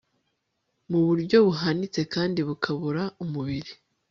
mu buryo buhanitse kandi bukabura umubiri